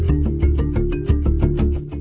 หลายสิ่งคือวิอาทิตย์หรือตัวใจ